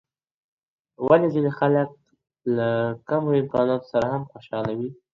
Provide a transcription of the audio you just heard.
ولي ځیني خلګ له کمو امکاناتو سره هم خوشحاله وي؟